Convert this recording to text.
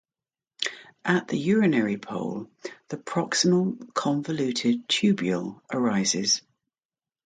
At the urinary pole, the proximal convoluted tubule arises.